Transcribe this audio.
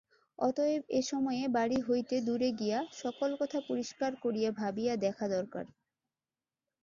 অতএব এ সময়ে বাড়ি হইতে দূরে গিয়া সকল কথা পরিষ্কার করিয়া ভাবিয়া দেখা দরকার।